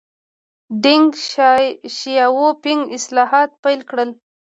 ډینګ شیاؤ پینګ اصلاحات پیل کړل.